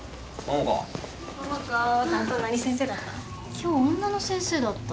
今日女の先生だった。